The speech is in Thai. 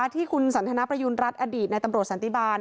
ที่คุณสันทนประยุณรัฐอดีตในตำรวจสันติบาล